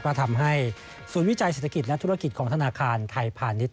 ก็ทำให้ศูนย์วิจัยเศรษฐกิจและธุรกิจของธนาคารไทยพาณิชย